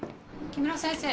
・木村先生。